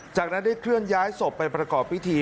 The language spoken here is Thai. จากนั้นได้เคลื่อนย้ายศพไปประกอบพิธี